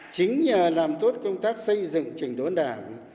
chính nhờ làm tốt công tác xây dựng trình đốn đảng